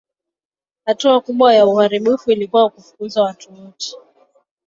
Hatua kubwa ya uharibifu ilikuwa kufukuza watu wote